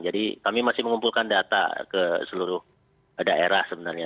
jadi kami masih mengumpulkan data ke seluruh daerah sebenarnya